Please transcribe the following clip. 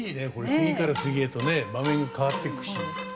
次から次へとね場面が変わっていくし。